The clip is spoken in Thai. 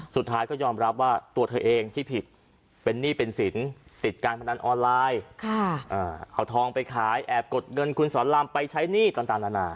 สุดท้ายก็ยอมรับว่าตัวเธอเองที่ผิดเป็นหนี้เป็นสินติดการพนันออนไลน์เอาทองไปขายแอบกดเงินคุณสอนรามไปใช้หนี้ต่างนานา